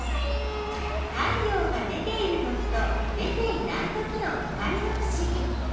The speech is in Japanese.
太陽が出ているときと出ていないときの光のふしぎ。